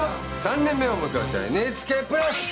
３年目を迎えたＮＨＫプラス！